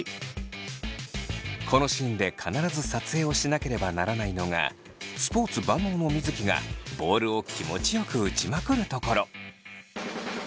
このシーンで必ず撮影をしなければならないのがスポーツ万能の水城がボールを気持ちよく打ちまくるところ。